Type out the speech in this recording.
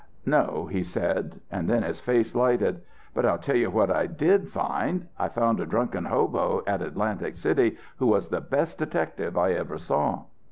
"No," he said; and then his face lighted. "But I'll tell you what I did find. I found a drunken hobo at Atlantic City who was the best detective I ever saw."